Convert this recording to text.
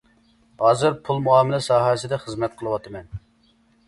ھازىر پۇل مۇئامىلە ساھەسىدە خىزمەت قىلىۋاتىمەن.